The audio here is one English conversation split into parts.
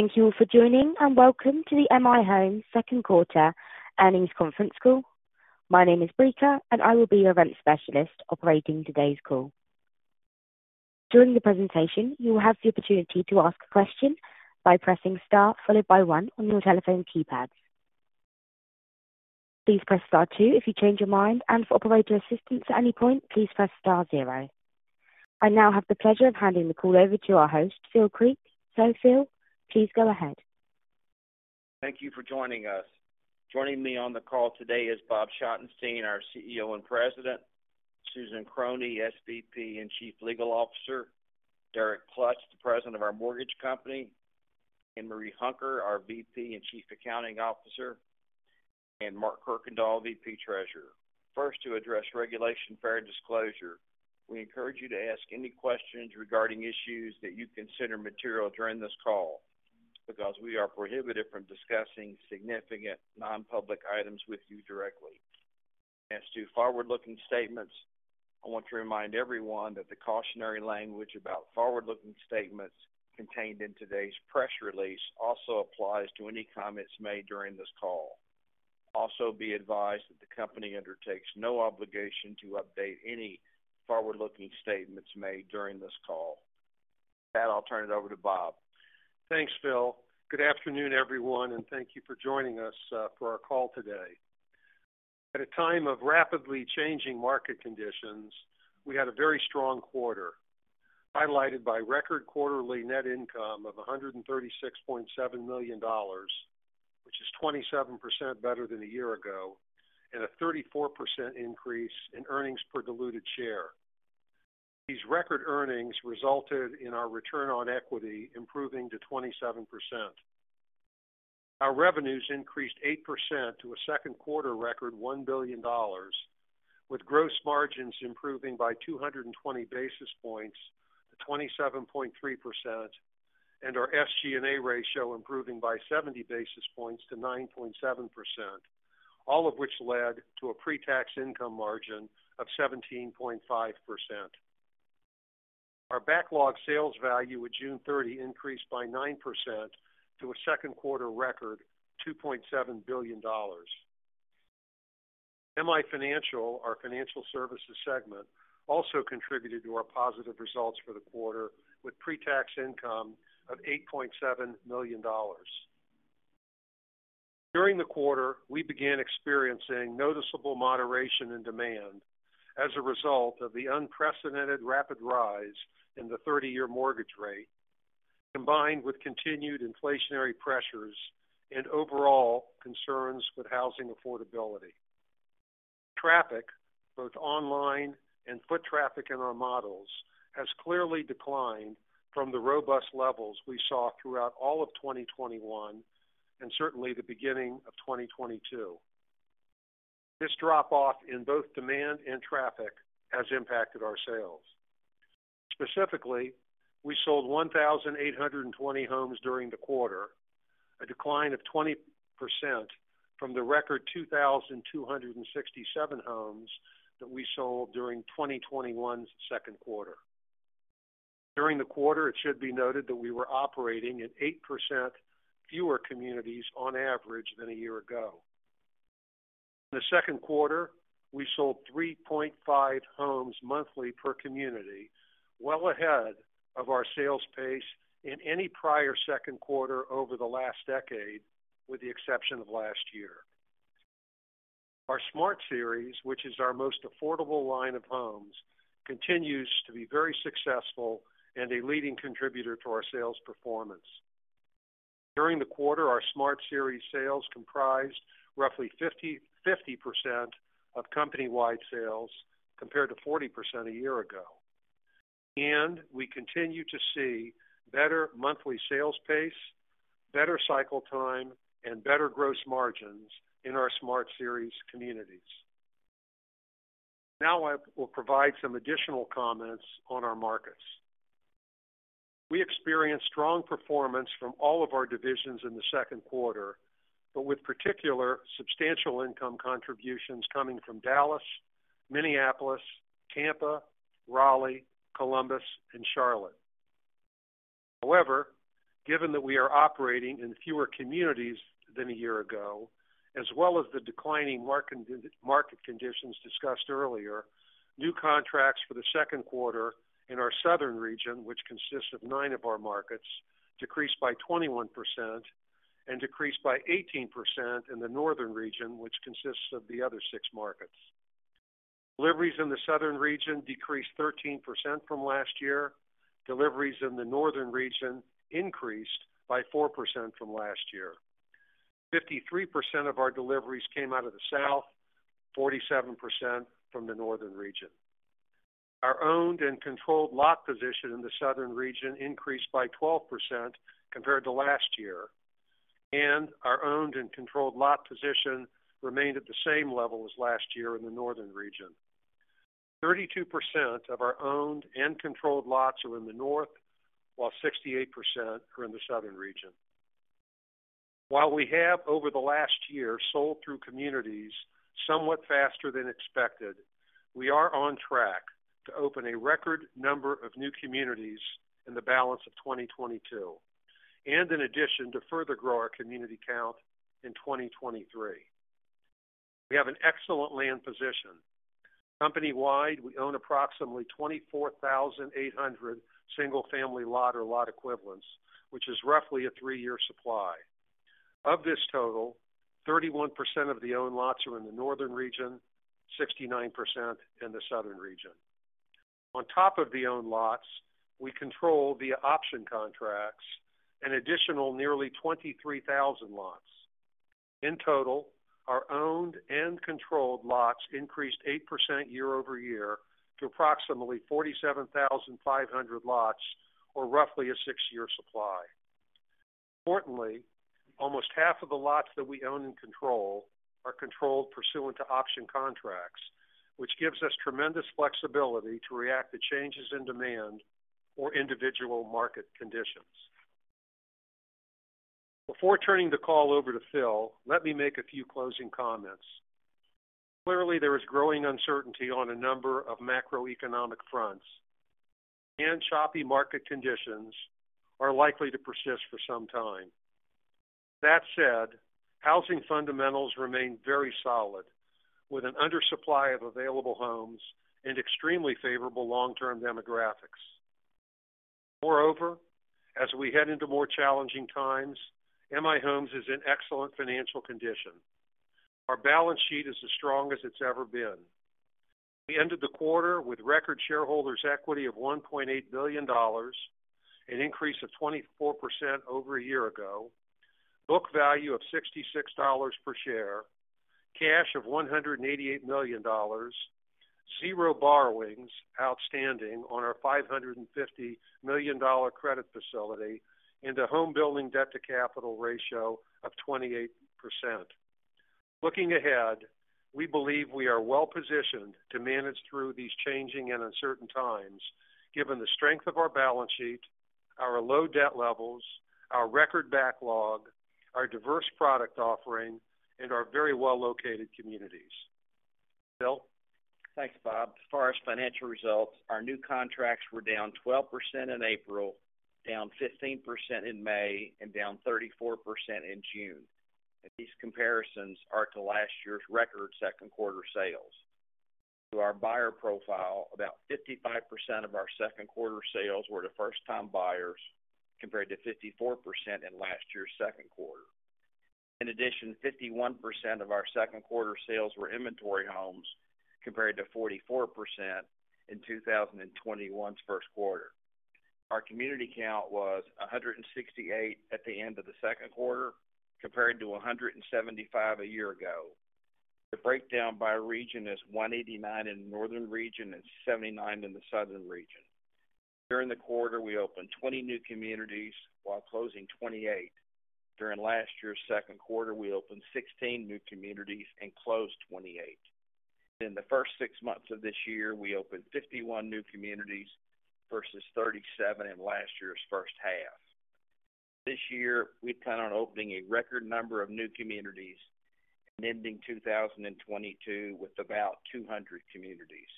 Thank you all for joining, and welcome to the M/I Homes second quarter earnings conference call. My name is Brica, and I will be your event specialist operating today's call. During the presentation, you will have the opportunity to ask a question by pressing star followed by one on your telephone keypads. Please press star two if you change your mind, and for operator assistance at any point, please press star zero. I now have the pleasure of handing the call over to our host, Phil Creek. Phil, please go ahead. Thank you for joining us. Joining me on the call today is Bob Schottenstein, our CEO and President. Susan Krohne, SVP and Chief Legal Officer. Derek Klutch, the President of our mortgage company, and Ann Marie Hunker, our VP and Chief Accounting Officer, and Mark Kirkendall, VP Treasurer. First, to address Regulation Fair Disclosure, we encourage you to ask any questions regarding issues that you consider material during this call because we are prohibited from discussing significant non-public items with you directly. As to forward-looking statements, I want to remind everyone that the cautionary language about forward-looking statements contained in today's press release also applies to any comments made during this call. Also, be advised that the company undertakes no obligation to update any forward-looking statements made during this call. With that, I'll turn it over to Bob. Thanks, Phil. Good afternoon, everyone, and thank you for joining us for our call today. At a time of rapidly changing market conditions, we had a very strong quarter, highlighted by record quarterly net income of $136.7 million, which is 27% better than a year ago and a 34% increase in earnings per diluted share. These record earnings resulted in our return on equity improving to 27%. Our revenues increased 8% to a second-quarter record $1 billion, with gross margins improving by 220 basis points to 27.3% and our SG&A ratio improving by 70 basis points to 9.7%, all of which led to a pre-tax income margin of 17.5%. Our backlog sales value at June 30 increased by 9% to a second-quarter record $2.7 billion. M/I Financial, our financial services segment, also contributed to our positive results for the quarter with pre-tax income of $8.7 million. During the quarter, we began experiencing noticeable moderation in demand as a result of the unprecedented rapid rise in the 30 year mortgage rate, combined with continued inflationary pressures and overall concerns with housing affordability. Traffic, both online and foot traffic in our models, has clearly declined from the robust levels we saw throughout all of 2021 and certainly the beginning of 2022. This drop-off in both demand and traffic has impacted our sales. Specifically, we sold 1,820 homes during the quarter, a decline of 20% from the record 2,267 homes that we sold during 2021's second quarter. During the quarter, it should be noted that we were operating at 8% fewer communities on average than a year ago. In the second quarter, we sold 3.5 homes monthly per community, well ahead of our sales pace in any prior second quarter over the last decade, with the exception of last year. Our Smart Series, which is our most affordable line of homes, continues to be very successful and a leading contributor to our sales performance. During the quarter, our Smart Series sales comprised roughly 50% of company-wide sales, compared to 40% a year ago. We continue to see better monthly sales pace, better cycle time, and better gross margins in our Smart Series communities. Now I will provide some additional comments on our markets. We experienced strong performance from all of our divisions in the second quarter, but with particular substantial income contributions coming from Dallas, Minneapolis, Tampa, Raleigh, Columbus, and Charlotte. However, given that we are operating in fewer communities than a year ago, as well as the declining market conditions discussed earlier, new contracts for the second quarter in our Southern region, which consists of nine of our markets, decreased by 21% and decreased by 18% in the Northern region, which consists of the other six markets. Deliveries in the Southern region decreased 13% from last year. Deliveries in the Northern region increased by 4% from last year. 53% of our deliveries came out of the South, 47% from the Northern region. Our owned and controlled lot position in the Southern region increased by 12% compared to last year, and our owned and controlled lot position remained at the same level as last year in the Northern region. 32% of our owned and controlled lots are in the North, while 68% are in the Southern region. While we have over the last year sold through communities somewhat faster than expected, we are on track to open a record number of new communities in the balance of 2022, and in addition to further grow our community count in 2023. We have an excellent land position. Company-wide, we own approximately 24,800 single-family lot or lot equivalents, which is roughly a three year supply. Of this total, 31% of the owned lots are in the northern region, 69% in the southern region. On top of the owned lots, we control via option contracts an additional nearly 23,000 lots. In total, our owned and controlled lots increased 8% year-over-year to approximately 47,500 lots or roughly a six year supply. Importantly, almost half of the lots that we own and control are controlled pursuant to option contracts, which gives us tremendous flexibility to react to changes in demand or individual market conditions. Before turning the call over to Phil, let me make a few closing comments. Clearly, there is growing uncertainty on a number of macroeconomic fronts, and choppy market conditions are likely to persist for some time. That said, housing fundamentals remain very solid with an undersupply of available homes and extremely favorable long-term demographics. Moreover, as we head into more challenging times, M/I Homes is in excellent financial condition. Our balance sheet is as strong as it's ever been. We ended the quarter with record shareholders equity of $1.8 billion, an increase of 24% over a year ago, book value of $66 per share, cash of $188 million, 0 borrowings outstanding on our $550 million credit facility, and a home building debt-to-capital ratio of 28%. Looking ahead, we believe we are well-positioned to manage through these changing and uncertain times, given the strength of our balance sheet, our low debt levels, our record backlog, our diverse product offering, and our very well-located communities. Phil? Thanks, Bob. As far as financial results, our new contracts were down 12% in April, down 15% in May, and down 34% in June. These comparisons are to last year's record second quarter sales. To our buyer profile, about 55% of our second quarter sales were to first-time buyers, compared to 54% in last year's second quarter. In addition, 51% of our second quarter sales were inventory homes, compared to 44% in 2021's first quarter. Our community count was 168 at the end of the second quarter, compared to 175 a year ago. The breakdown by region is 189 in the northern region and 79 in the southern region. During the quarter, we opened 20 new communities while closing 28. During last year's second quarter, we opened 16 new communities and closed 28. In the first six months of this year, we opened 51 new communities versus 37 in last year's first half. This year, we plan on opening a record number of new communities and ending 2022 with about 200 communities.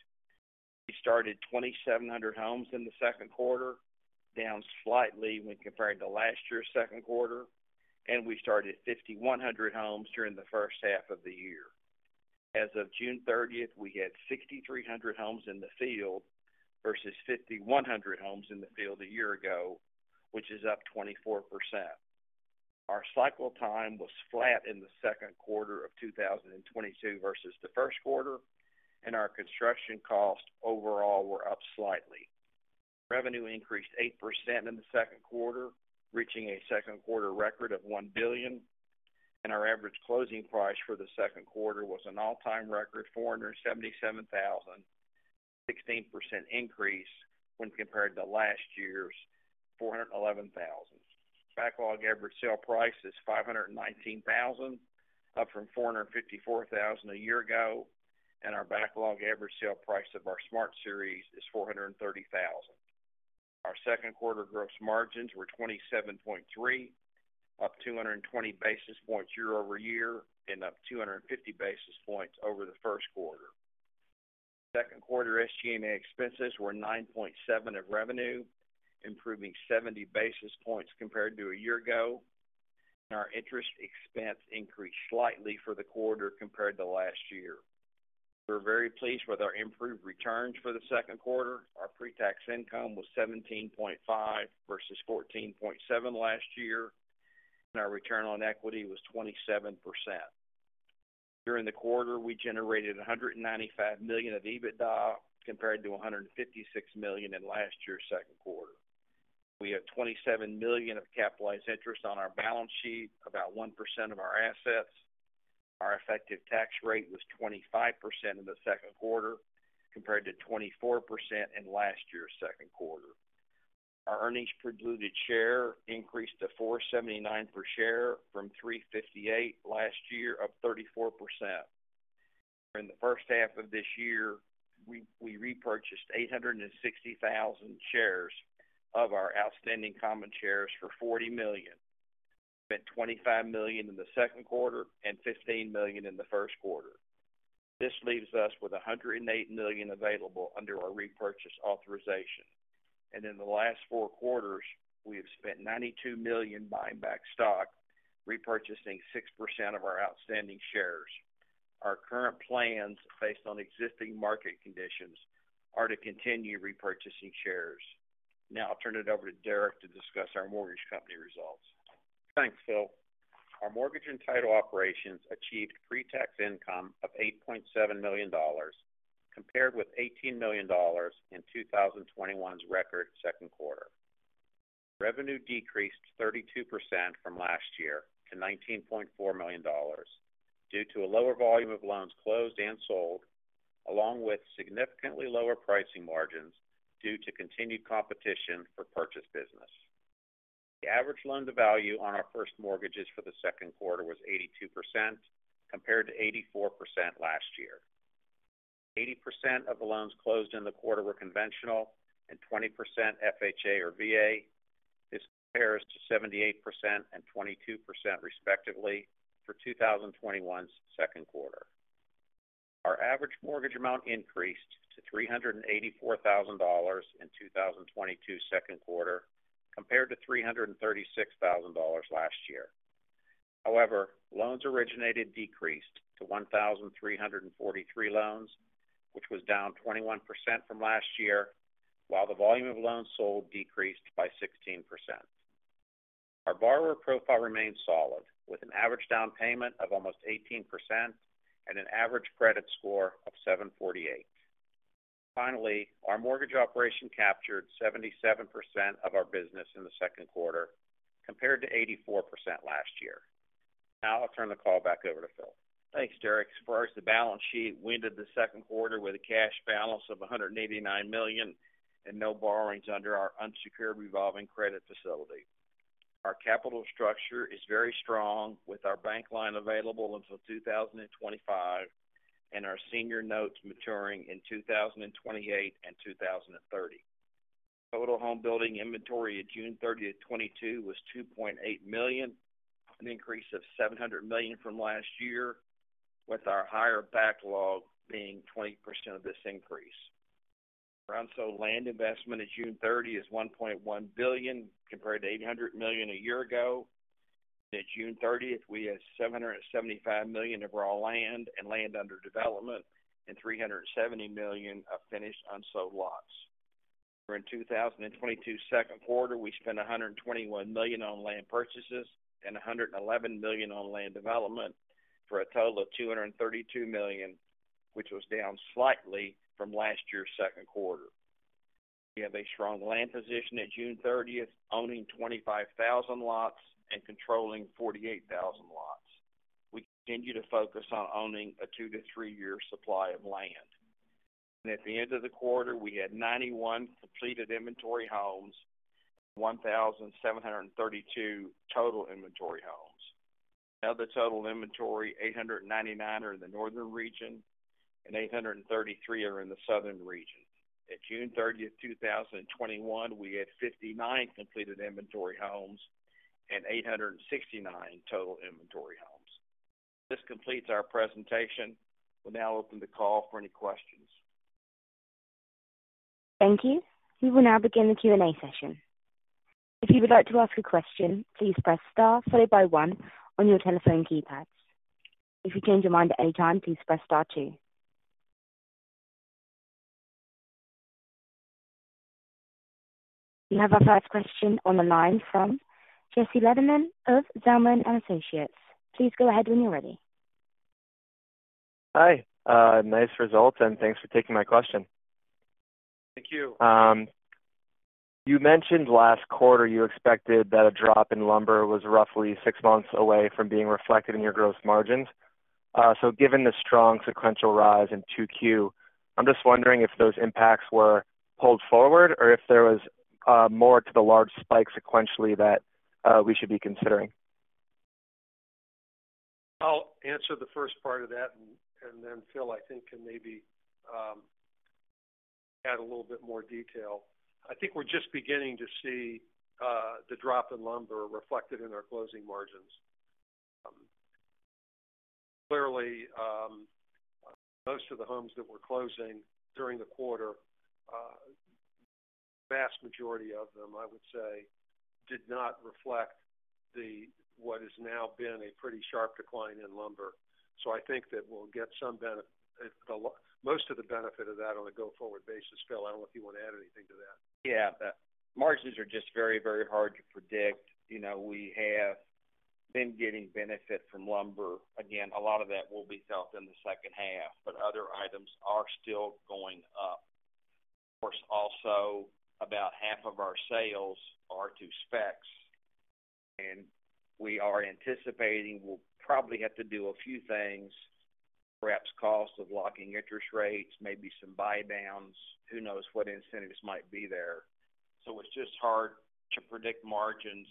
We started 2,700 homes in the second quarter, down slightly when compared to last year's second quarter, and we started 5,100 homes during the first half of the year. As of June 30th, we had 6,300 homes in the field versus 5,100 homes in the field a year ago, which is up 24%. Our cycle time was flat in the second quarter of 2022 versus the first quarter, and our construction costs overall were up slightly. Revenue increased 8% in the second quarter, reaching a second quarter record of $1 billion, and our average closing price for the second quarter was an all-time record $477,000, a 16% increase when compared to last year's $411,000. Backlog average sale price is $519,000, up from $454,000 a year ago, and our backlog average sale price of our Smart Series is $430,000. Our second quarter gross margins were 27.3%, up 220 basis points year-over-year and up 250 basis points over the first quarter. Second quarter SG&A expenses were 9.7% of revenue, improving 70 basis points compared to a year ago. Our interest expense increased slightly for the quarter compared to last year. We're very pleased with our improved returns for the second quarter. Our pre-tax income was $17.5 million versus $14.7 million last year, and our return on equity was 27%. During the quarter, we generated $195 million of EBITDA compared to $156 million in last year's second quarter. We have $27 million of capitalized interest on our balance sheet, about 1% of our assets. Our effective tax rate was 25% in the second quarter compared to 24% in last year's second quarter. Our earnings per diluted share increased to $4.79 per share from $3.58 last year, up 34%. During the first half of this year, we repurchased 860,000 shares of our outstanding common shares for $40 million. We spent $25 million in the second quarter and $15 million in the first quarter. This leaves us with $108 million available under our repurchase authorization. In the last 4 quarters, we have spent $92 million buying back stock, repurchasing 6% of our outstanding shares. Our current plans based on existing market conditions are to continue repurchasing shares. Now I'll turn it over to Derek to discuss our mortgage company results. Thanks, Phil. Our mortgage and title operations achieved pre-tax income of $8.7 million, compared with $18 million in 2021's record second quarter. Revenue decreased 32% from last year to $19.4 million due to a lower volume of loans closed and sold, along with significantly lower pricing margins due to continued competition for purchase business. The average loan to value on our first mortgages for the second quarter was 82%, compared to 84% last year. 80% of the loans closed in the quarter were conventional and 20% FHA or VA. This compares to 78% and 22% respectively for 2021's second quarter. Our average mortgage amount increased to $384,000 in 2022 second quarter compared to $336,000 last year. However, loans originated decreased to 1,343 loans, which was down 21% from last year, while the volume of loans sold decreased by 16%. Our borrower profile remains solid, with an average down payment of almost 18% and an average credit score of 748. Finally, our mortgage operation captured 77% of our business in the second quarter compared to 84% last year. Now I'll turn the call back over to Phil. Thanks, Derek. As far as the balance sheet, we ended the second quarter with a cash balance of $189 million and no borrowings under our unsecured revolving credit facility. Our capital structure is very strong with our bank line available until 2025 and our senior notes maturing in 2028 and 2030. Total home building inventory at June 30, 2022 was $2.8 million, an increase of $700 million from last year, with our higher backlog being 20% of this increase. Our unsold land investment at June 30 is $1.1 billion, compared to $800 million a year ago. At June 30th, we had $775 million of raw land and land under development and $370 million of finished unsold lots. In 2022 second quarter, we spent $121 million on land purchases and $111 million on land development for a total of $232 million, which was down slightly from last year's second quarter. We have a strong land position at June 30th, owning 25,000 lots and controlling 48,000 lots. We continue to focus on owning a 2-3 year supply of land. At the end of the quarter, we had 91 completed inventory homes, 1,732 total inventory homes. Of the total inventory, 899 are in the northern region and 833 are in the southern region. At June 30, 2021, we had 59 completed inventory homes and 869 total inventory homes. This completes our presentation. We'll now open the call for any questions. Thank you. We will now begin the Q&A session. If you would like to ask a question, please press star followed by one on your telephone keypads. If you change your mind at any time, please press star two. We have our first question on the line from Alan Ratner of Zelman & Associates. Please go ahead when you're ready. Hi. Nice results, and thanks for taking my question. Thank you. You mentioned last quarter you expected that a drop in lumber was roughly six months away from being reflected in your gross margins. Given the strong sequential rise in 2Q, I'm just wondering if those impacts were pulled forward or if there was more to the large spike sequentially that we should be considering. I'll answer the first part of that and then Phil, I think, can maybe add a little bit more detail. I think we're just beginning to see the drop in lumber reflected in our closing margins. Clearly, most of the homes that we're closing during the quarter, vast majority of them, I would say, did not reflect the, what has now been a pretty sharp decline in lumber. I think that we'll get most of the benefit of that on a go-forward basis. Phil, I don't know if you want to add anything to that. Yeah. Margins are just very, very hard to predict. You know, we have been getting benefit from lumber. Again, a lot of that will be felt in the second half, but other items are still going up. Of course, also about half of our sales are to specs, and we are anticipating we'll probably have to do a few things, perhaps cost of locking interest rates, maybe some buy downs. Who knows what incentives might be there. It's just hard to predict margins,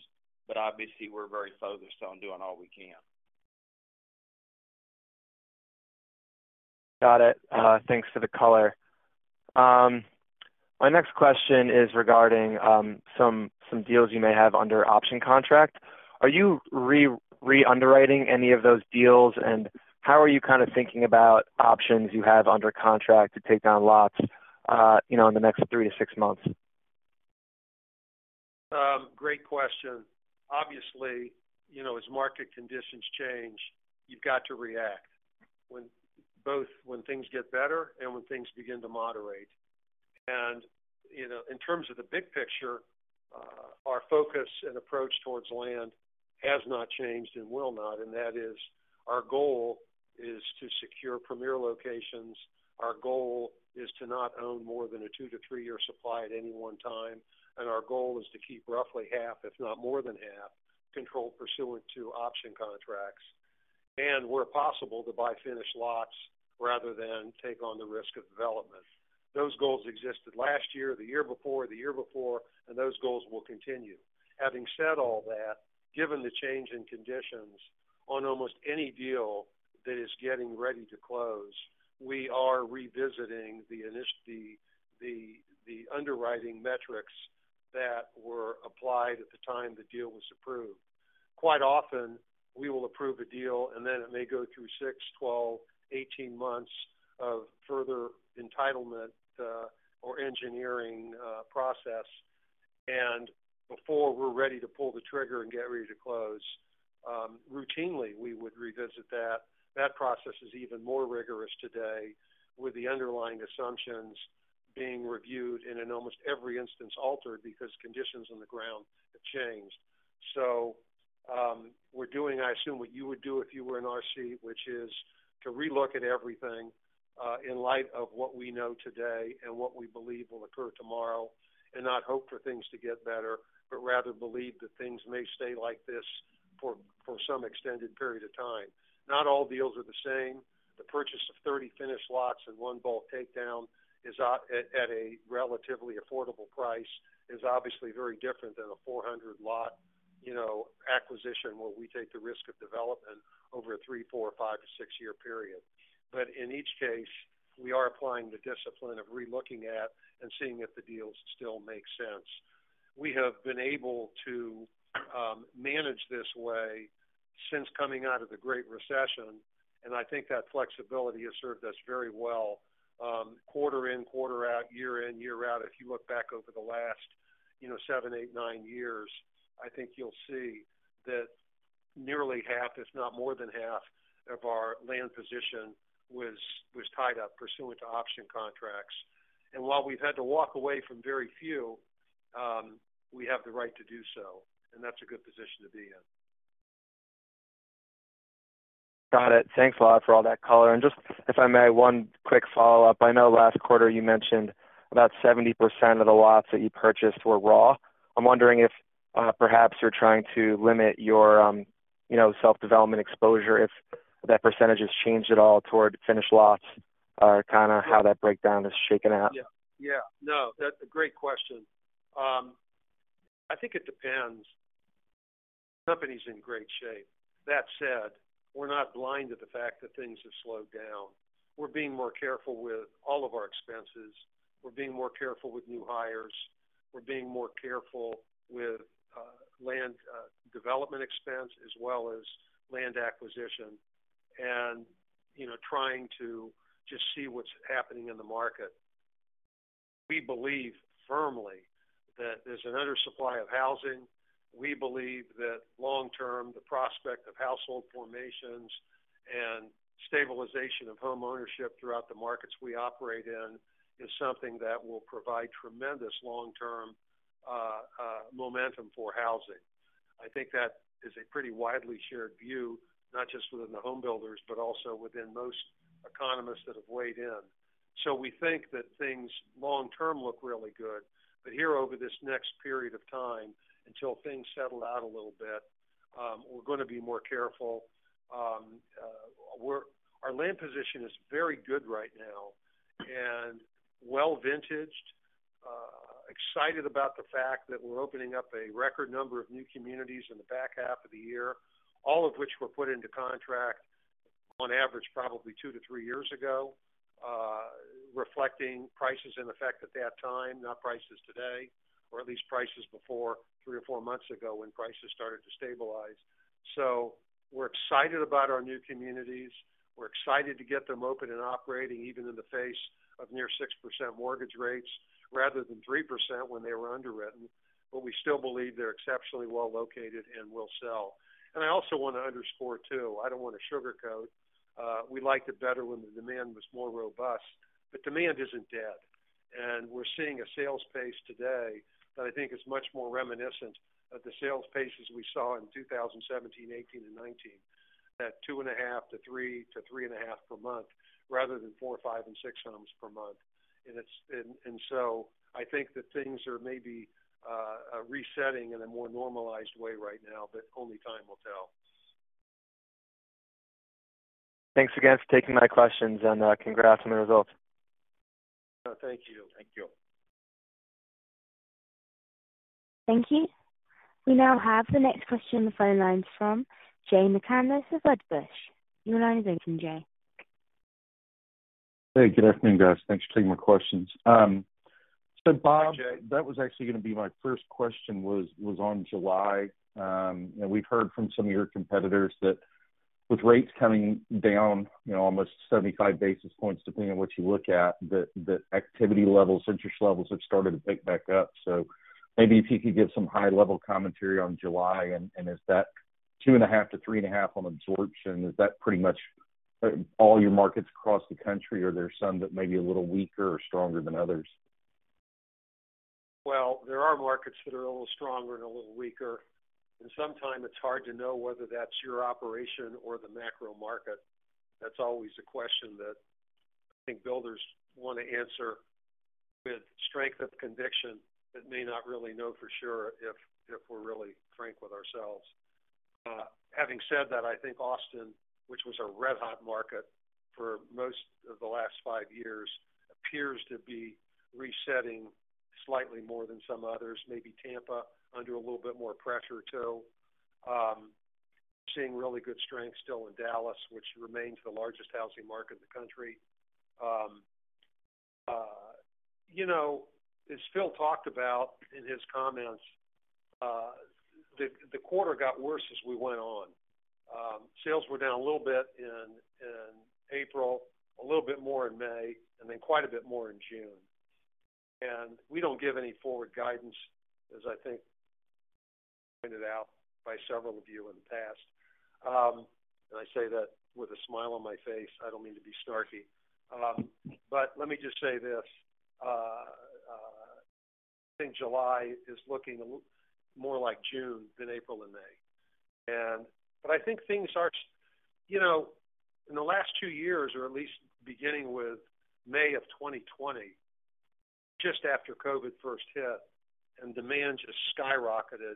but obviously we're very focused on doing all we can. Got it. Thanks for the color. My next question is regarding some deals you may have under option contract. Are you re-underwriting any of those deals? How are you kind of thinking about options you have under contract to take down lots, you know, in the next three to six months? Great question. Obviously, you know, as market conditions change, you've got to react when both things get better and when things begin to moderate. You know, in terms of the big picture, our focus and approach towards land has not changed and will not, and that is our goal is to secure premier locations. Our goal is to not own more than a 2-3 year supply at any one time. Our goal is to keep roughly half, if not more than half, controlled pursuant to option contracts. Where possible, to buy finished lots rather than take on the risk of development. Those goals existed last year, the year before, and those goals will continue. Having said all that, given the change in conditions on almost any deal that is getting ready to close, we are revisiting the underwriting metrics that were applied at the time the deal was approved. Quite often, we will approve a deal, and then it may go through 6, 12, 18 months of further entitlement or engineering process. Before we're ready to pull the trigger and get ready to close, routinely, we would revisit that. That process is even more rigorous today, with the underlying assumptions being reviewed and in almost every instance altered because conditions on the ground have changed. We're doing, I assume, what you would do if you were in our seat, which is to relook at everything in light of what we know today and what we believe will occur tomorrow, and not hope for things to get better, but rather believe that things may stay like this for some extended period of time. Not all deals are the same. The purchase of 30 finished lots in one bulk takedown at a relatively affordable price is obviously very different than a 400-lot, you know, acquisition, where we take the risk of development over a 3, 4, 5 to 6 year period. In each case, we are applying the discipline of relooking at and seeing if the deals still make sense. We have been able to manage this way since coming out of the Great Recession, and I think that flexibility has served us very well. Quarter in, quarter out, year in, year out. If you look back over the last, you know, seven, eight, nine years, I think you'll see that nearly half, if not more than half of our land position was tied up pursuant to option contracts. While we've had to walk away from very few, we have the right to do so, and that's a good position to be in. Got it. Thanks a lot for all that color. Just if I may, one quick follow-up. I know last quarter you mentioned about 70% of the lots that you purchased were raw. I'm wondering if perhaps you're trying to limit your, you know, self-development exposure, if that percentage has changed at all toward finished lots or kind of how that breakdown has shaken out. Yeah. Yeah. No, that's a great question. I think it depends. Company's in great shape. That said, we're not blind to the fact that things have slowed down. We're being more careful with all of our expenses. We're being more careful with new hires. We're being more careful with land development expense as well as land acquisition and, you know, trying to just see what's happening in the market. We believe firmly that there's an under supply of housing. We believe that long term, the prospect of household formations and stabilization of home ownership throughout the markets we operate in is something that will provide tremendous long-term momentum for housing. I think that is a pretty widely shared view, not just within the home builders, but also within most economists that have weighed in. We think that things long term look really good. Here over this next period of time, until things settle out a little bit, we're going to be more careful. Our land position is very good right now and well-vintaged. Excited about the fact that we're opening up a record number of new communities in the back half of the year, all of which were put into contract on average probably 2-3 years ago, reflecting prices in effect at that time, not prices today, or at least prices before 3-4 months ago when prices started to stabilize. We're excited about our new communities. We're excited to get them open and operating even in the face of near 6% mortgage rates rather than 3% when they were underwritten. We still believe they're exceptionally well located and will sell. I also want to underscore, too, I don't want to sugarcoat. We liked it better when the demand was more robust. Demand isn't dead. We're seeing a sales pace today that I think is much more reminiscent of the sales paces we saw in 2017, 2018 and 2019. That 2.5 to 3 to 3.5 per month rather than 4, 5 and 6 homes per month. So I think that things are maybe resetting in a more normalized way right now, but only time will tell. Thanks again for taking my questions and, congrats on the results. Thank you. Thank you. Thank you. We now have the next question on the phone lines from Jay McCanless of Wedbush. Your line is open, Jay. Hey, good afternoon, guys. Thanks for taking my questions. Bob- Hi, Jay. That was actually going to be my first question was on July. You know, we've heard from some of your competitors that with rates coming down, you know, almost 75 basis points, depending on what you look at, that activity levels, interest levels have started to pick back up. So maybe if you could give some high-level commentary on July and is that 2.5-3.5 on absorption, is that pretty much all your markets across the country or are there some that may be a little weaker or stronger than others? Well, there are markets that are a little stronger and a little weaker, and sometimes it's hard to know whether that's your operation or the macro market. That's always a question that I think builders want to answer with strength of conviction, but may not really know for sure if we're really frank with ourselves. Having said that, I think Austin, which was a red-hot market for most of the last five years, appears to be resetting slightly more than some others. Maybe Tampa under a little bit more pressure too. Seeing really good strength still in Dallas, which remains the largest housing market in the country. You know, as Phil talked about in his comments, the quarter got worse as we went on. Sales were down a little bit in April, a little bit more in May, and then quite a bit more in June. We don't give any forward guidance, as I think pointed out by several of you in the past. I say that with a smile on my face. I don't mean to be snarky. Let me just say this. I think July is looking more like June than April and May. I think things are. You know, in the last two years, or at least beginning with May of 2020, just after COVID first hit and demand just skyrocketed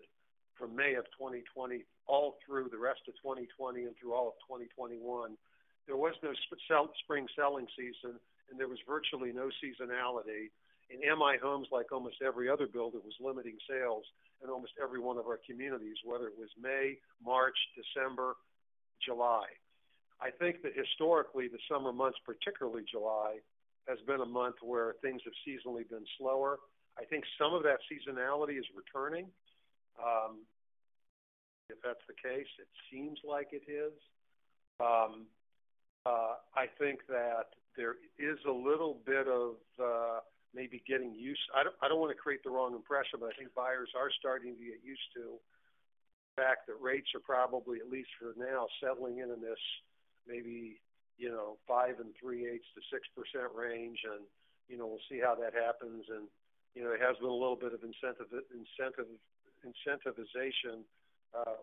from May of 2020 all through the rest of 2020 and through all of 2021, there was no spring selling season, and there was virtually no seasonality. M/I Homes, like almost every other builder, was limiting sales in almost every one of our communities, whether it was May, March, December, July. I think that historically, the summer months, particularly July, has been a month where things have seasonally been slower. I think some of that seasonality is returning. If that's the case, it seems like it is. I think that there is a little bit of maybe getting used. I don't want to create the wrong impression, but I think buyers are starting to get used to the fact that rates are probably, at least for now, settling in this maybe, you know, 5.375%-6% range and, you know, we'll see how that happens. You know, there has been a little bit of incentivization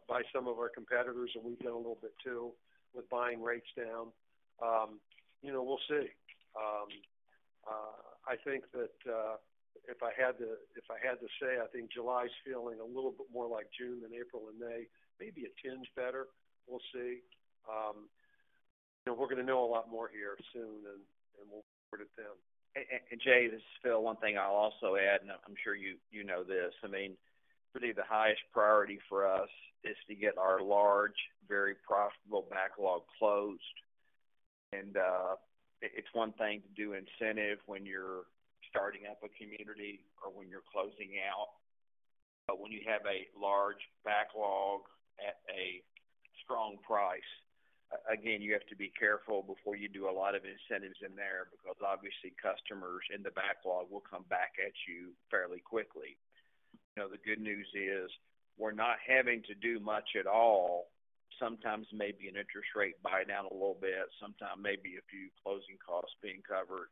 by some of our competitors, and we've done a little bit too, with buying down rates. You know, we'll see. I think that if I had to say, I think July is feeling a little bit more like June than April and May, maybe a tinge better. We'll see. You know, we're going to know a lot more here soon, and we'll report it then. Jay, this is Phil. One thing I'll also add, and I'm sure you know this, I mean, the highest priority for us is to get our large, very profitable backlog closed. It's one thing to do incentives when you're starting up a community or when you're closing out. But when you have a large backlog at a strong price, again, you have to be careful before you do a lot of incentives in there because obviously customers in the backlog will come back at you fairly quickly. You know, the good news is we're not having to do much at all. Sometimes maybe an interest rate buy down a little bit, sometimes maybe a few closing costs being covered,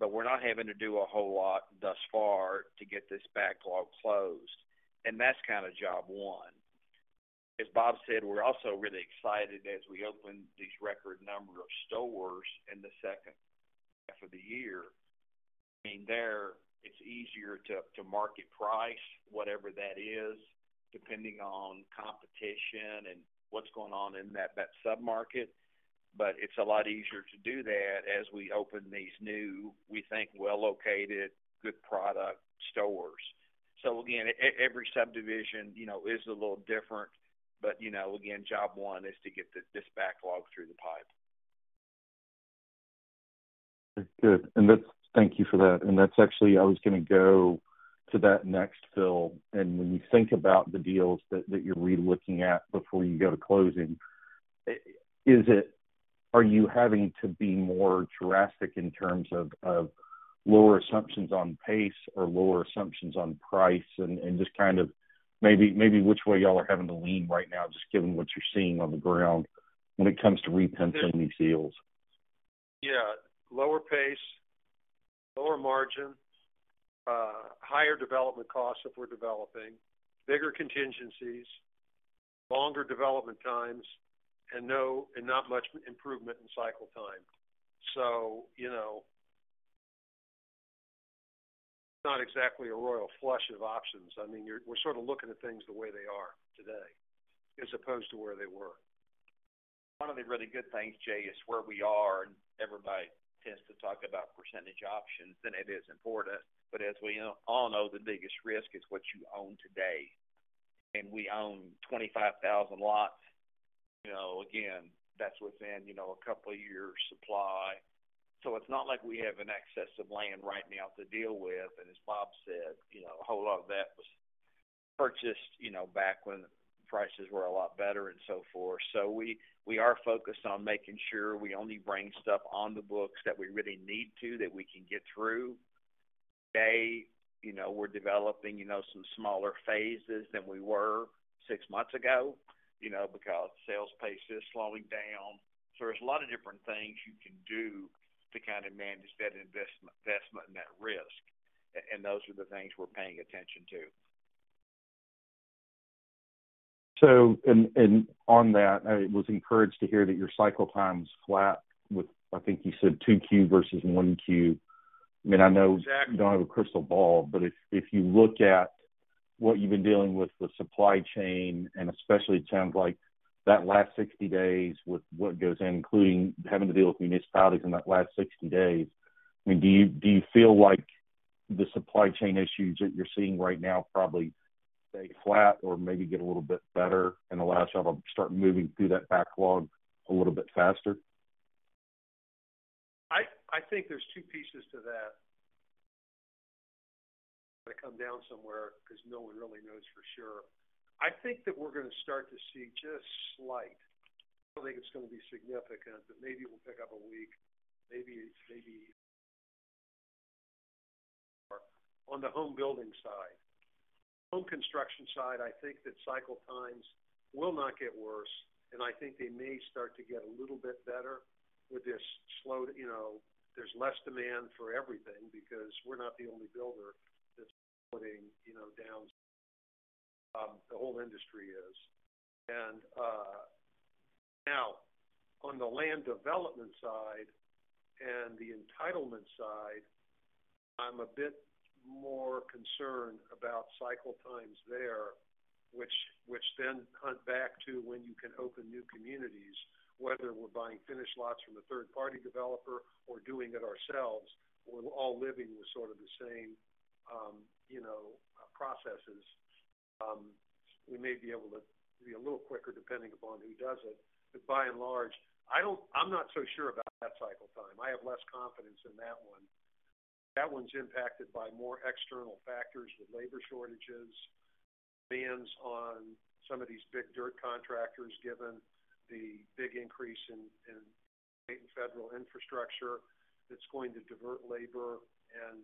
but we're not having to do a whole lot thus far to get this backlog closed. That's kind of job one. As Bob said, we're also really excited as we open these record number of stores in the second half of the year. I mean, there it's easier to market price, whatever that is, depending on competition and what's going on in that sub-market, but it's a lot easier to do that as we open these new, we think, well-located, good product stores. Again, every subdivision, you know, is a little different, but, you know, again, job one is to get this backlog through the pipe. Good. That's. Thank you for that. That's actually, I was going to go to that next, Phil. When you think about the deals that you're re-looking at before you go to closing, are you having to be more drastic in terms of lower assumptions on pace or lower assumptions on price? Just kind of maybe which way y'all are having to lean right now, just given what you're seeing on the ground when it comes to re-pricing these deals. Yeah. Lower pace, lower margin, higher development costs if we're developing, bigger contingencies, longer development times, and not much improvement in cycle time. You know, not exactly a royal flush of options. I mean, we're sort of looking at things the way they are today as opposed to where they were. One of the really good things, Jay, is where we are, and everybody tends to talk about percentage options, and it is important, but as we all know, the biggest risk is what you own today. We own 25,000 lots. You know, again, that's within, you know, a couple of years supply. It's not like we have an excess of land right now to deal with. As Bob said, you know, a whole lot of that was purchased, you know, back when prices were a lot better and so forth. We are focused on making sure we only bring stuff on the books that we really need to, that we can get through. Today, you know, we're developing, you know, some smaller phases than we were six months ago, you know, because sales pace is slowing down. There's a lot of different things you can do to kind of manage that investment and that risk, and those are the things we're paying attention to. on that, I was encouraged to hear that your cycle time's flat with, I think you said 2Q versus 1Q. I mean, I know- Exactly You don't have a crystal ball, but if you look at what you've been dealing with supply chain, and especially it sounds like that last 60 days with what's going on, including having to deal with municipalities in that last 60 days, I mean, do you feel like the supply chain issues that you're seeing right now probably stay flat or maybe get a little bit better in the last half or start moving through that backlog a little bit faster? I think there's two pieces to that. They come down somewhere because no one really knows for sure. I think that we're going to start to see just slight. I don't think it's going to be significant, but maybe it will pick up a week, maybe more on the home building side. Home construction side, I think that cycle times will not get worse, and I think they may start to get a little bit better with this slowdown. You know, there's less demand for everything because we're not the only builder that's putting, you know, down the whole industry is. Now on the land development side and the entitlement side, I'm a bit more concerned about cycle times there, which then count back to when you can open new communities. Whether we're buying finished lots from a third-party developer or doing it ourselves, we're all living with sort of the same, you know, processes. We may be able to be a little quicker depending upon who does it. By and large, I'm not so sure about that cycle time. I have less confidence in that one. That one's impacted by more external factors with labor shortages, demands on some of these big dirt contractors, given the big increase in state and federal infrastructure that's going to divert labor and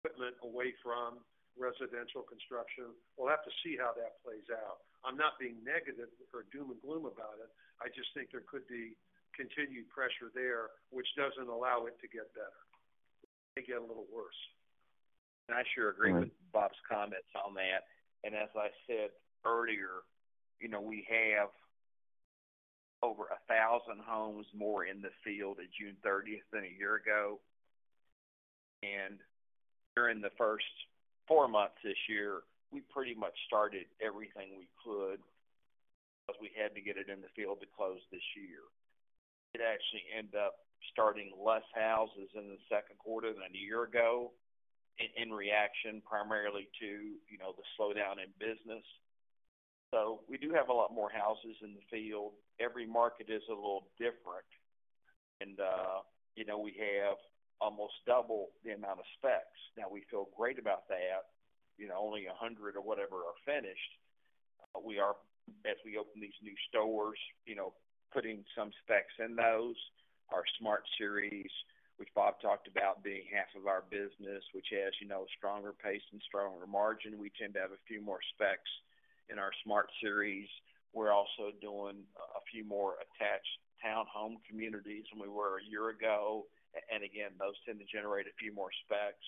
equipment away from residential construction. We'll have to see how that plays out. I'm not being negative or doom and gloom about it. I just think there could be continued pressure there, which doesn't allow it to get better. It may get a little worse. I sure agree with Bob's comments on that. As I said earlier, you know, we have over 1,000 homes more in the field at June 30th than a year ago. During the first four months this year, we pretty much started everything we could because we had to get it in the field to close this year. We could actually end up starting less houses in the second quarter than a year ago in reaction primarily to, you know, the slowdown in business. We do have a lot more houses in the field. Every market is a little different. You know, we have almost double the amount of specs. Now, we feel great about that. You know, only 100 or whatever are finished. We are, as we open these new stores, you know, putting some specs in those. Our Smart Series, which Bob talked about being half of our business, which has you know stronger pace and stronger margin. We tend to have a few more specs in our Smart Series. We're also doing a few more attached town home communities than we were a year ago. And again, those tend to generate a few more specs.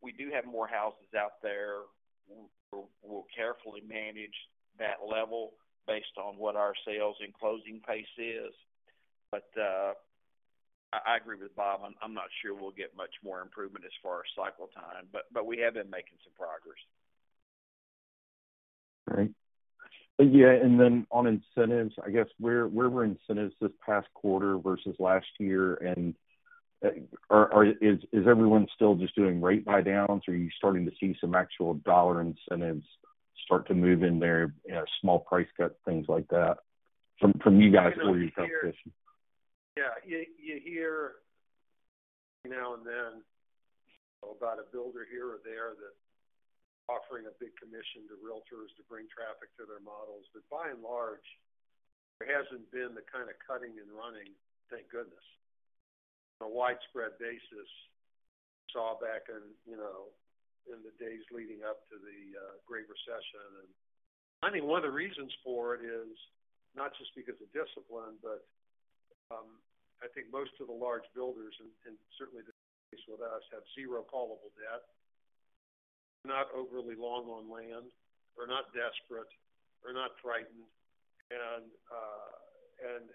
We do have more houses out there. We'll carefully manage that level based on what our sales and closing pace is. I agree with Bob, and I'm not sure we'll get much more improvement as far as cycle time, but we have been making some progress. All right. Yeah. On incentives, I guess, where were incentives this past quarter versus last year? Is everyone still just doing rate buydowns? Are you starting to see some actual dollar incentives start to move in there, you know, small price cuts, things like that from you guys or your competition? Yeah. You hear every now and then about a builder here or there that's offering a big commission to Realtors to bring traffic to their models. By and large, there hasn't been the kind of cutting and running, thank goodness, on a widespread basis we saw back in, you know, in the days leading up to the Great Recession. I think one of the reasons for it is not just because of discipline, but I think most of the large builders, and certainly this is the case with us, have zero callable debt. We're not overly long on land. We're not desperate. We're not frightened, and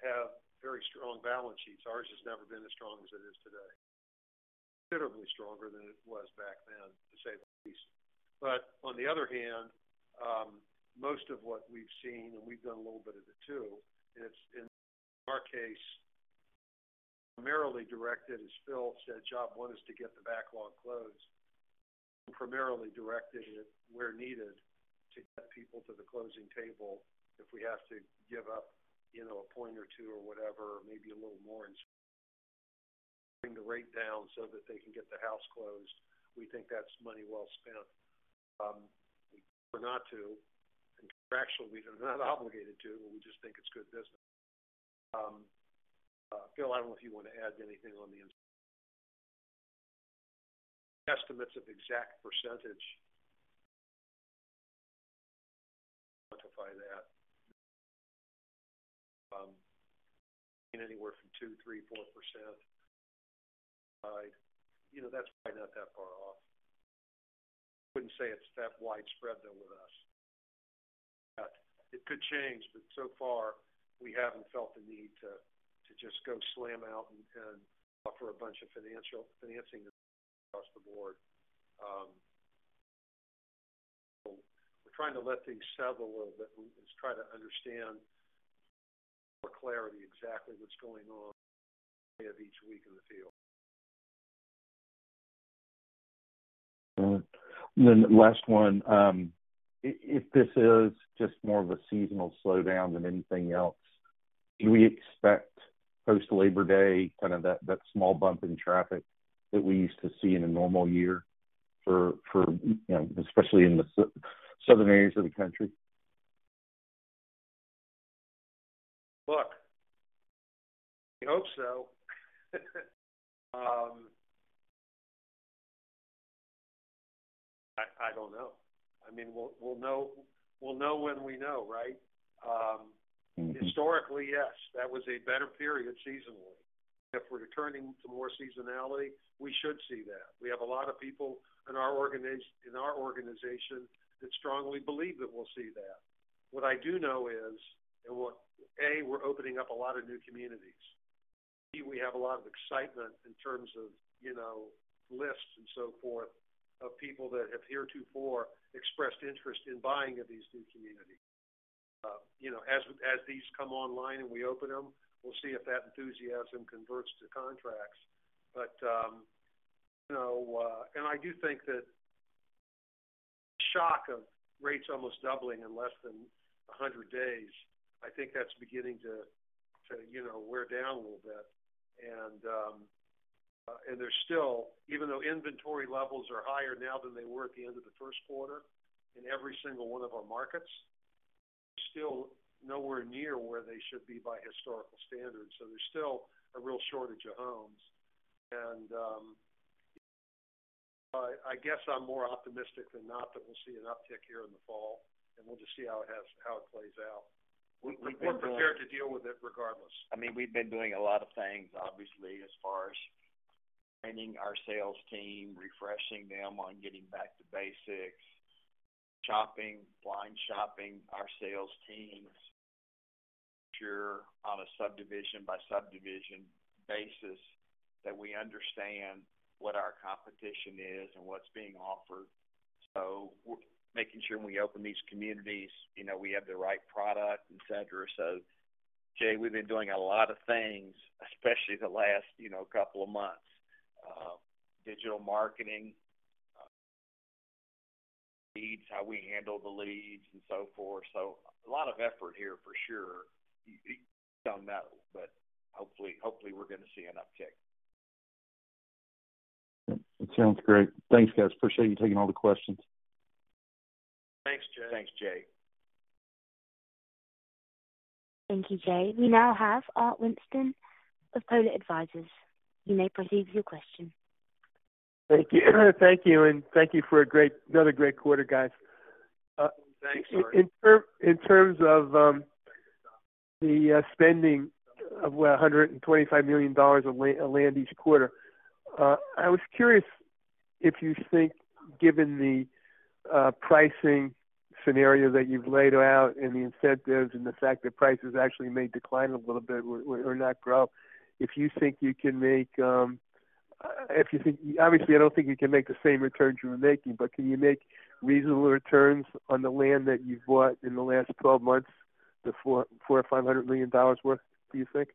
have very strong balance sheets. Ours has never been as strong as it is today. Considerably stronger than it was back then, to say the least. On the other hand, most of what we've seen, and we've done a little bit of it too, is in our case, primarily directed, as Phil said, job one is to get the backlog closed and primarily directed it where needed to get people to the closing table. If we have to give up, you know, a point or two or whatever, maybe a little more in bringing the rate down so that they can get the house closed, we think that's money well spent. We prefer not to, and contractually we're not obligated to, but we just think it's good business. Phil, I don't know if you want to add anything on the estimates of exact percentage. Quantify that. Anywhere from 2, 3, 4%. You know, that's probably not that far off. I wouldn't say it's that widespread, though, with us. It could change, but so far we haven't felt the need to just go slam out and offer a bunch of financing across the board. We're trying to let things settle a little bit. We're just trying to understand with more clarity exactly what's going on each week in the field. All right. Last one. If this is just more of a seasonal slowdown than anything else, can we expect post Labor Day, kind of that small bump in traffic that we used to see in a normal year for, you know, especially in the southern areas of the country? Look, we hope so. I don't know. I mean, we'll know when we know, right? Historically, yes. That was a better period seasonally. If we're returning to more seasonality, we should see that. We have a lot of people in our organization that strongly believe that we'll see that. What I do know is, A, we're opening up a lot of new communities. B, we have a lot of excitement in terms of, you know, lists and so forth of people that have heretofore expressed interest in buying in these new communities. You know, as these come online and we open them, we'll see if that enthusiasm converts to contracts. I do think that shock of rates almost doubling in less than 100 days, I think that's beginning to, you know, wear down a little bit. There's still. Even though inventory levels are higher now than they were at the end of the first quarter in every single one of our markets, still nowhere near where they should be by historical standards. There's still a real shortage of homes. I guess I'm more optimistic than not that we'll see an uptick here in the fall, and we'll just see how it plays out. We're prepared to deal with it regardless. I mean, we've been doing a lot of things, obviously, as far as training our sales team, refreshing them on getting back to basics, shopping, blind shopping our sales teams. Sure on a subdivision-by-subdivision basis that we understand what our competition is and what's being offered. We're making sure when we open these communities, you know, we have the right product, et cetera. Jay, we've been doing a lot of things, especially the last, you know, couple of months. Digital marketing, leads, how we handle the leads and so forth. A lot of effort here for sure. You know, but hopefully, we're going to see an uptick. It sounds great. Thanks, guys. Appreciate you taking all the questions. Thanks, Jay. Thanks, Jay. Thank you, Jay. We now have Art Hogan of B. Riley Wealth Management. You may proceed with your question. Thank you. Thank you for another great quarter, guys. Thanks, Art. In terms of the spending of $125 million of land each quarter, I was curious if you think, given the pricing scenario that you've laid out and the incentives and the fact that prices actually may decline a little bit or not grow, if you think you can make. Obviously, I don't think you can make the same returns you were making, but can you make reasonable returns on the land that you've bought in the last 12 months, the $400 million or $500 million worth, do you think?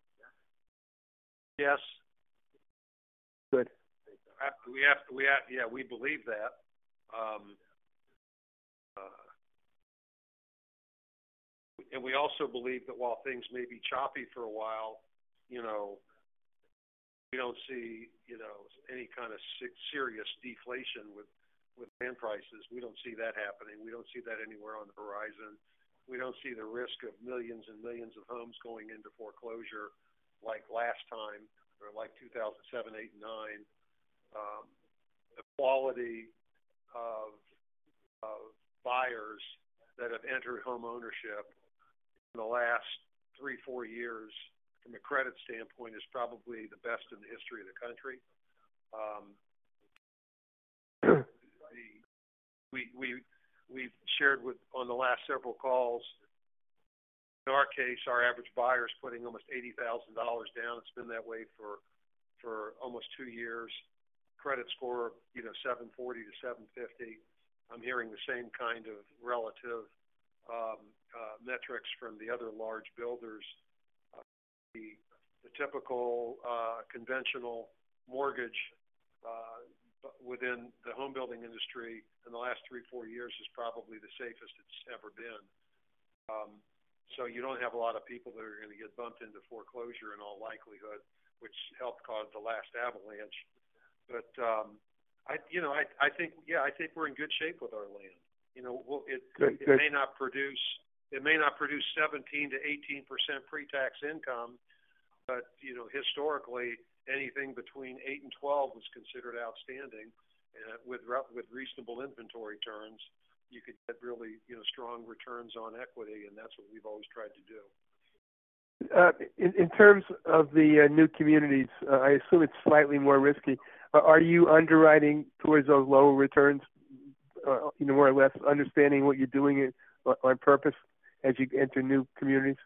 Yes. Good. Yeah, we believe that. We also believe that while things may be choppy for a while, you know, we don't see, you know, any kind of serious deflation with land prices. We don't see that happening. We don't see that anywhere on the horizon. We don't see the risk of millions and millions of homes going into foreclosure like last time or like 2007, 2008, and 2009. The quality of buyers that have entered homeownership in the last three, four years, from a credit standpoint, is probably the best in the history of the country. We've shared this on the last several calls. In our case, our average buyer is putting almost $80,000 down. It's been that way for almost two years. Credit score 740-750. I'm hearing the same kind of relative metrics from the other large builders. The typical conventional mortgage within the home building industry in the last 3, 4 years is probably the safest it's ever been. You don't have a lot of people that are going to get bumped into foreclosure in all likelihood, which helped cause the last avalanche. I think we're in good shape with our land. Good, good. It may not produce 17%-18% pre-tax income, but, you know, historically, anything between 8%-12% was considered outstanding. With reasonable inventory turns, you could get really, you know, strong returns on equity, and that's what we've always tried to do. In terms of the new communities, I assume it's slightly more risky. Are you underwriting towards those lower returns, you know, more or less understanding what you're doing it on purpose as you enter new communities?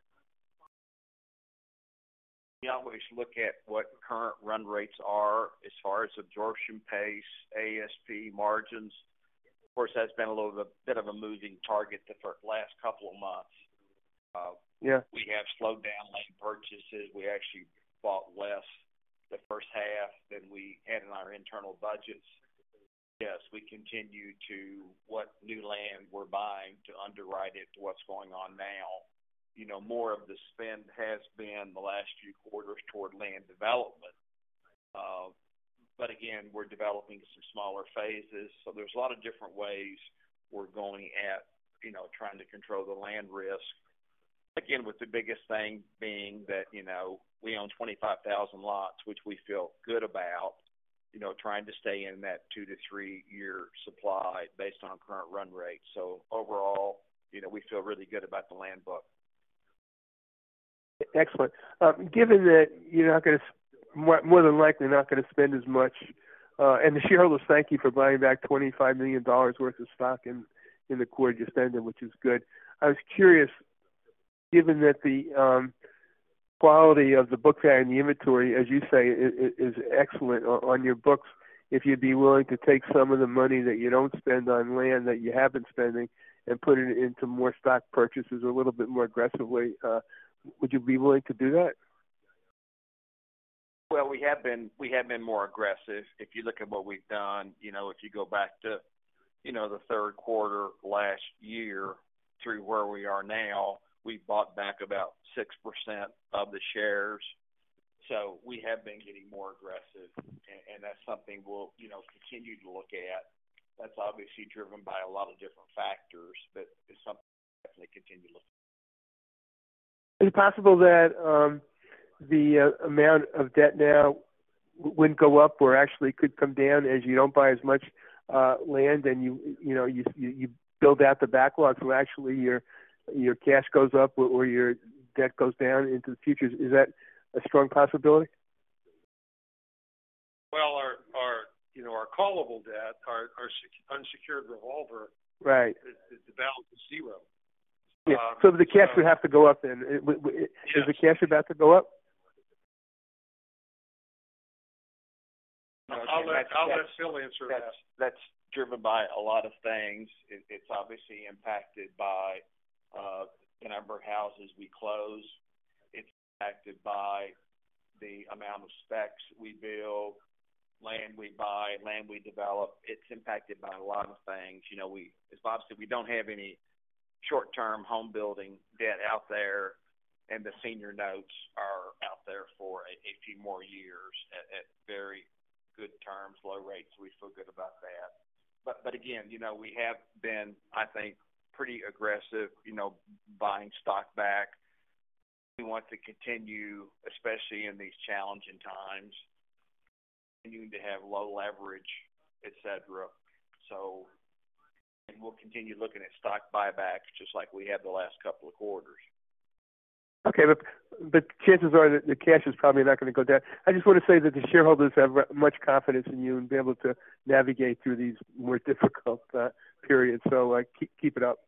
We always look at what current run rates are as far as absorption pace, ASP margins. Of course, that's been a little bit of a moving target for the last couple of months. Yeah. We have slowed down land purchases. We actually bought less the first half than we had in our internal budgets. Yes, we continue to vet new land we're buying to underwrite it to what's going on now. You know, more of the spend has been the last few quarters toward land development. But again, we're developing some smaller phases. There's a lot of different ways we're going at, you know, trying to control the land risk. Again, with the biggest thing being that, you know, we own 25,000 lots, which we feel good about, you know, trying to stay in that 2-3 year supply based on current run rates. Overall, you know, we feel really good about the land bank. Excellent. Given that you're not gonna more than likely spend as much, and the shareholders thank you for buying back $25 million worth of stock in the quarter you're spending, which is good. I was curious, given that the quality of the books and the inventory, as you say, is excellent on your books, if you'd be willing to take some of the money that you don't spend on land that you have been spending and put it into more stock purchases a little bit more aggressively, would you be willing to do that? Well, we have been more aggressive. If you look at what we've done, you know, if you go back to, you know, the third quarter last year through where we are now, we bought back about 6% of the shares. We have been getting more aggressive, and that's something we'll, you know, continue to look at. That's obviously driven by a lot of different factors, but it's something we definitely continue to look at. Is it possible that the amount of debt now wouldn't go up or actually could come down as you don't buy as much land and you know you build out the backlog, so actually your cash goes up or your debt goes down into the future? Is that a strong possibility? Well, our you know, our callable debt, our unsecured revolver Right. The balance is zero. Yeah. The cash would have to go up then. Yes. Is the cash about to go up? I'll let Phil answer that. That's driven by a lot of things. It's obviously impacted by the number of houses we close. It's impacted by the amount of specs we build, land we buy, land we develop. It's impacted by a lot of things. You know, as Bob said, we don't have any short-term home building debt out there, and the senior notes are out there for a few more years at very good terms, low rates. We feel good about that. But again, you know, we have been, I think, pretty aggressive, you know, buying stock back. We want to continue, especially in these challenging times, continuing to have low leverage, et cetera. We'll continue looking at stock buybacks just like we have the last couple of quarters. Okay. Chances are that the cash is probably not going to go down. I just want to say that the shareholders have much confidence in you and be able to navigate through these more difficult periods. Keep it up.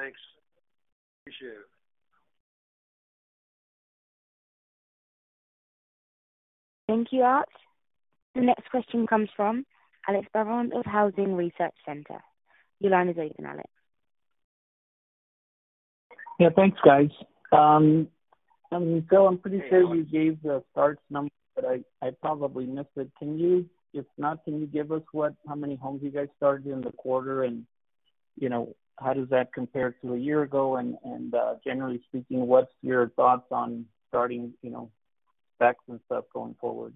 Thanks. Appreciate it. Thank you, Art. The next question comes from Alex Barron of Housing Research Center. Your line is open, Alex. Yeah, thanks, guys. Phil, I'm pretty sure you gave the starts number, but I probably missed it. If not, can you give us how many homes you guys started in the quarter? You know, how does that compare to a year ago? Generally speaking, what's your thoughts on starting, you know, specs and stuff going forward?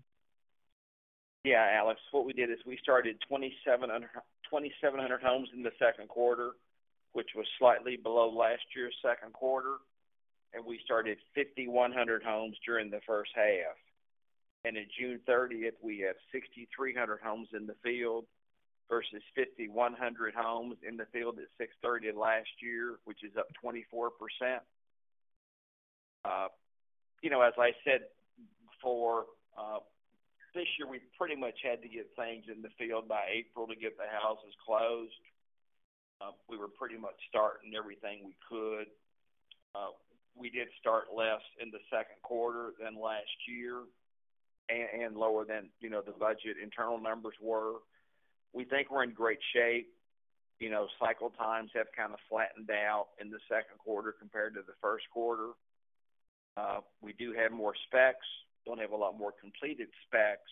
Yeah, Alex, what we did is we started 2,700 homes in the second quarter, which was slightly below last year's second quarter. We started 5,100 homes during the first half. At June 30th, we have 6,300 homes in the field versus 5,100 homes in the field at June 30th last year, which is up 24%. You know, as I said before, this year, we pretty much had to get things in the field by April to get the houses closed. We were pretty much starting everything we could. We did start less in the second quarter than last year and lower than, you know, the budget internal numbers were. We think we're in great shape. You know, cycle times have kind of flattened out in the second quarter compared to the first quarter. We do have more specs. Don't have a lot more completed specs,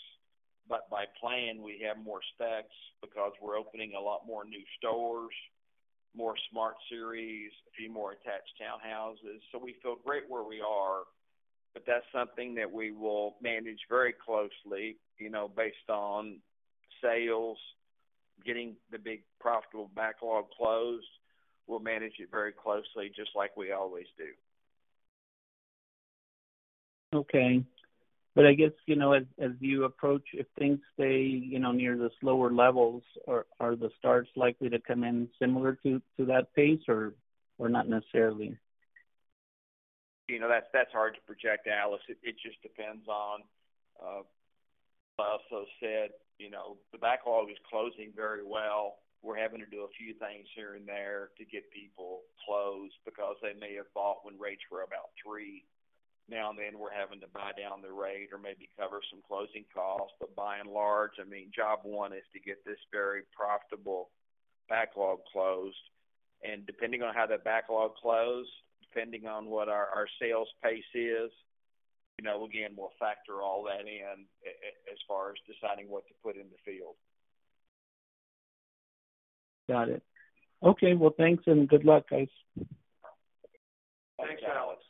but by plan, we have more specs because we're opening a lot more new stores, more Smart Series, a few more attached townhouses. We feel great where we are, but that's something that we will manage very closely, you know, based on sales, getting the big profitable backlog closed. We'll manage it very closely, just like we always do. Okay. I guess, you know, as you approach, if things stay, you know, near the slower levels, are the starts likely to come in similar to that pace or not necessarily? You know, that's hard to project, Alex. It just depends on, I also said, you know, the backlog is closing very well. We're having to do a few things here and there to get people closed because they may have bought when rates were about three. Now and then we're having to buy down the rate or maybe cover some closing costs. But by and large, I mean, job one is to get this very profitable backlog closed. Depending on how that backlog closed, depending on what our sales pace is, you know, again, we'll factor all that in as far as deciding what to put in the field. Got it. Okay. Well, thanks, and good luck, guys. Thanks, Alex.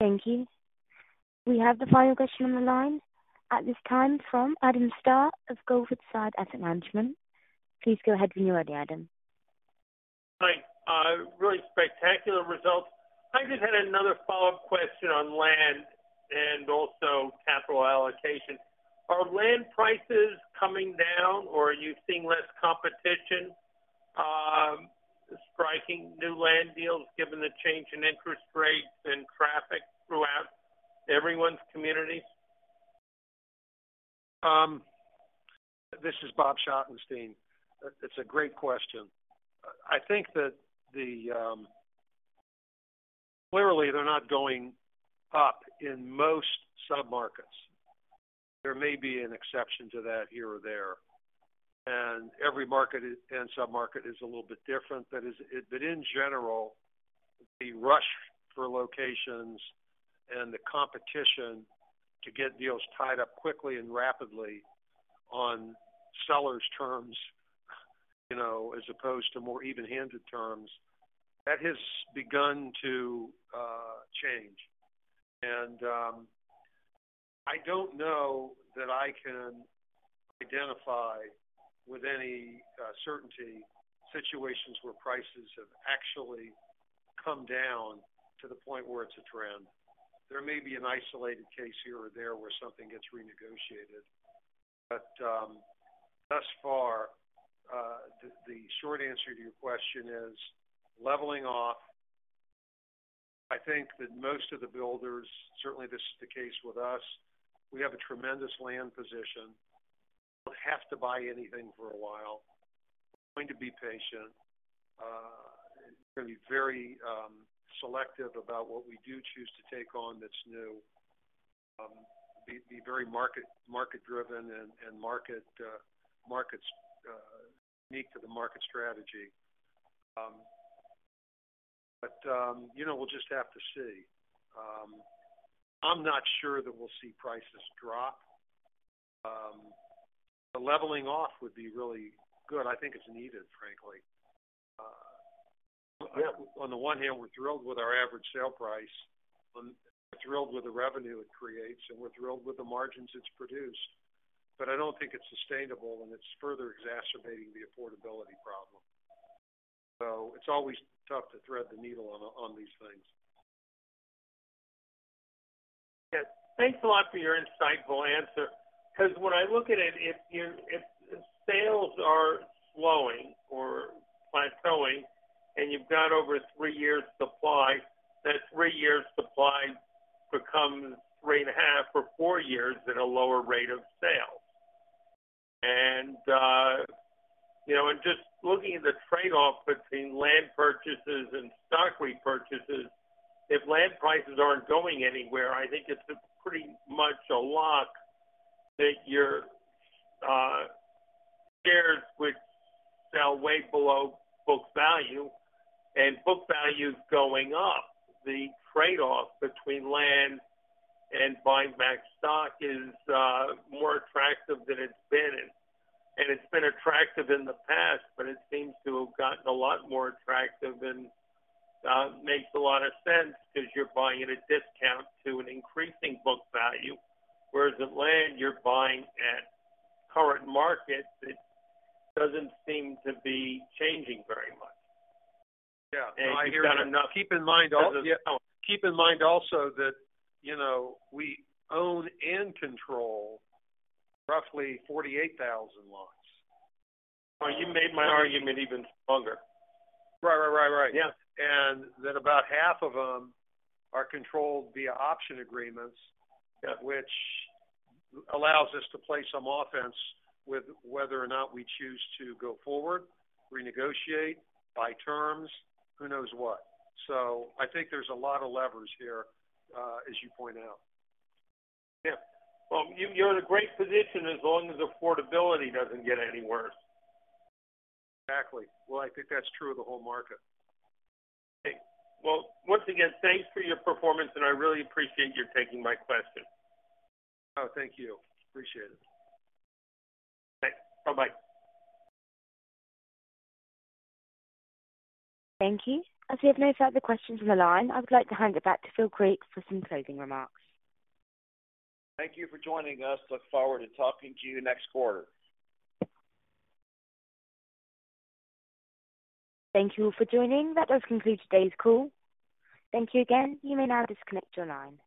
Thank you. We have the final question on the line at this time from Adam Starr of Gulfside Asset Management. Please go ahead when you're ready, Adam. Hi. Really spectacular results. I just had another follow-up question on land and also capital allocation. Are land prices coming down, or are you seeing less competition, striking new land deals given the change in interest rates and traffic throughout everyone's communities? This is Bob Schottenstein. It's a great question. I think that. Clearly, they're not going up in most submarkets. There may be an exception to that here or there, and every market and submarket is a little bit different. In general, the rush for locations and the competition to get deals tied up quickly and rapidly on sellers' terms, you know, as opposed to more even-handed terms, that has begun to change. I don't know that I can identify with any certainty situations where prices have actually come down to the point where it's a trend. There may be an isolated case here or there where something gets renegotiated. Thus far, the short answer to your question is leveling off. I think that most of the builders, certainly this is the case with us, we have a tremendous land position. Don't have to buy anything for a while. Going to be patient, gonna be very selective about what we do choose to take on that's new. Be very market-driven and market-unique to the market strategy. You know, we'll just have to see. I'm not sure that we'll see prices drop. The leveling off would be really good. I think it's needed, frankly. On the one hand, we're thrilled with our average sale price. We're thrilled with the revenue it creates, and we're thrilled with the margins it's produced. I don't think it's sustainable, and it's further exacerbating the affordability problem. It's always tough to thread the needle on these things. Yeah. Thanks a lot for your insightful answer. 'Cause when I look at it, if sales are slowing or plateauing and you've got over three years supply, that three years supply becomes three and a half or four years at a lower rate of sale. You know, and just looking at the trade-off between land purchases and stock repurchases, if land prices aren't going anywhere, I think it's pretty much a lock that your shares which sell way below book value and book value is going up. The trade-off between land and buying back stock is more attractive than it's been. It's been attractive in the past, but it seems to have gotten a lot more attractive and makes a lot of sense because you're buying at a discount to an increasing book value, whereas the land you're buying at current market, it doesn't seem to be changing very much. Yeah. I hear you. You've got enough. Keep in mind also. Yeah. Keep in mind also that, you know, we own and control roughly 48,000 lots. You made my argument even stronger. Right. Yeah. Then about half of them are controlled via option agreements, which allows us to play some offense with whether or not we choose to go forward, renegotiate, buy terms, who knows what. I think there's a lot of levers here, as you point out. Yeah. Well, you're in a great position as long as affordability doesn't get any worse. Exactly. Well, I think that's true of the whole market. Okay. Well, once again, thanks for your performance, and I really appreciate you taking my question. Oh, thank you. Appreciate it. Thanks. Bye-bye. Thank you. As we have no further questions on the line, I would like to hand it back to Phil Creek for some closing remarks. Thank you for joining us. Look forward to talking to you next quarter. Thank you all for joining. That does conclude today's call. Thank you again. You may now disconnect your line.